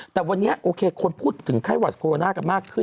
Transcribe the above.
แต่วันนี้โอเคคนพูดถึงไข้หวัดโคโรนากันมากขึ้น